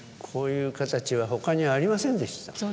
こういう形はほかにありませんでした。